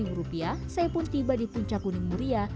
hanya dengan membayar rp dua puluh saya pun tiba di puncak gunung muria